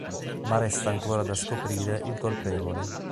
Ma resta ancora da scoprire il colpevole.